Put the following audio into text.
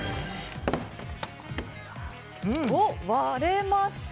割れました。